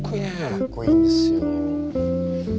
かっこいいんですよ。